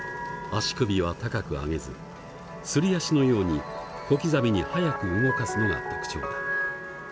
足首は高く上げずすり足のように小刻みに速く動かすのが特徴だ。